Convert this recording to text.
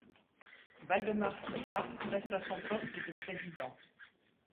Waldemar Kita reste à son poste de président.